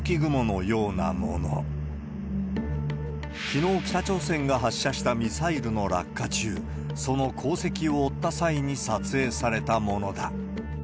きのう、北朝鮮が発射したミサイルの落下中、その航跡を追った際に撮影されたものだ。